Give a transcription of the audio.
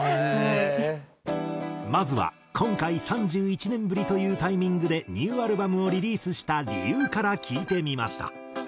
まずは今回３１年ぶりというタイミングでニューアルバムをリリースした理由から聞いてみました。